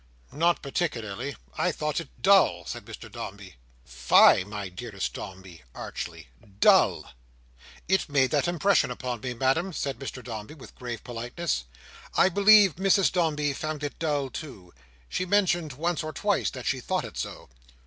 "Not particularly. I thought it dull," said Mr Dombey. "Fie, my dearest Dombey!" archly; "dull!" "It made that impression upon me, Madam," said Mr Dombey, with grave politeness. "I believe Mrs Dombey found it dull too. She mentioned once or twice that she thought it so."